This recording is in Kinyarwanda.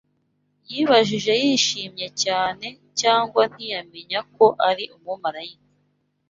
yibajije yishimye cyane, cyangwa ntiyamenya ko ari umumarayika